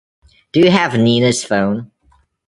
Do you have Nina’s phone?